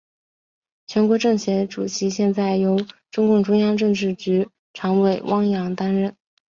全国政协主席现在由中共中央政治局常委汪洋担任。